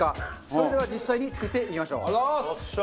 それでは実際に作ってみましょう。